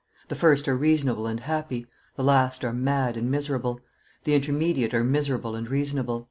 The first are reasonable and happy; the last are mad and miserable; the intermediate are miserable and reasonable."